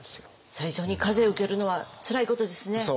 最初に風受けるのはつらいことですね。